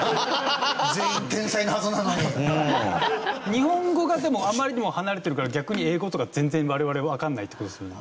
日本語がでもあまりにも離れてるから逆に英語とか全然我々わからないって事ですよね。